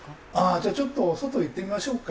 じゃあちょっと外行ってみましょうか。